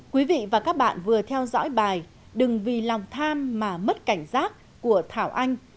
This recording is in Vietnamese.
quý vị và các bạn vừa theo dõi bài đừng vì lòng tham mà mất cảnh giác của thảo anh